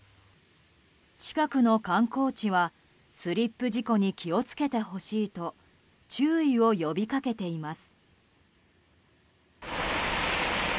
近くの観光地はスリップ事故に気を付けてほしいと注意を呼び掛けています。